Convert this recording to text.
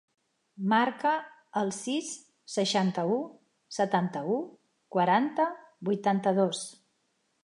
Marca el sis, seixanta-u, setanta-u, quaranta, vuitanta-dos.